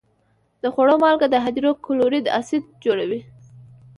د خوړو مالګه د هایدروکلوریک اسید څخه جوړیږي.